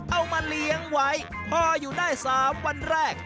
เอามาเลี้ยงไว้พออยู่ได้๓วันแรก